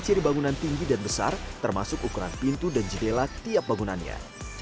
kota lama semarang juga memiliki bangunan besar termasuk ukuran pintu dan jendela tiap bangunannya